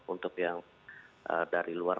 untuk yang dari luar